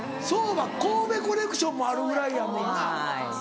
そうか神戸コレクションもあるぐらいやもんな。